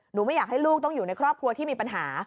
ไม่อยากให้ลูกต้องอยู่ในครอบครัวที่มีปัญหา